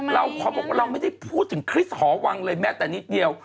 เราไม่ได้พูดถึงคริสต์หอวังเลยแม้แต่นิดเดียว